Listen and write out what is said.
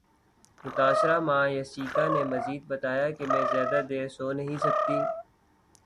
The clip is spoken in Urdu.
متاثرہ ماں یاسیکا نے مزید بتایا کہ میں زیادہ دیر سو نہیں سکتی